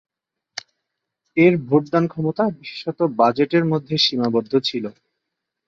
এর ভোটদান ক্ষমতা বিশেষত বাজেটের মধ্যে সীমাবদ্ধ ছিল।